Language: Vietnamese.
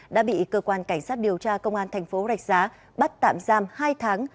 đã bị cơ quan cảnh sát điều tra công an thành phố rạch giá bắt tạm giam hai tháng